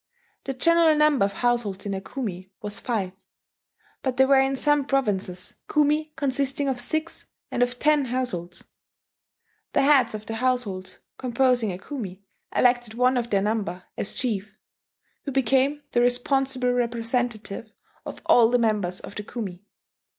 The general number of households in a Kumi was five; but there were in some provinces Kumi consisting of six, and of ten, households. The heads of the households composing a Kumi elected one of their number as chief, who became the responsible representative of all the members of the Kumi.